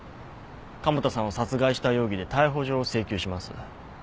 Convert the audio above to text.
加茂田さんを殺害した容疑で逮捕状を請求します。